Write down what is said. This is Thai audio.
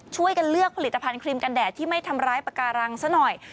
ช่วยกันเลือกผลิตภัณฑ์ครีมกันแดดที่ไม่ทำร้ายปากการังซะหน่อย